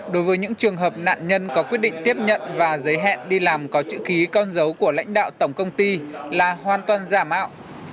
đối với những trường hợp nạn nhân có quyết định tiếp nhận và giới hẹn đi làm có chữ ký con dấu của lãnh đạo tổng công ty là hoàn toàn giả mạo